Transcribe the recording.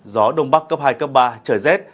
gió đông bắc cấp hai cấp ba trở rét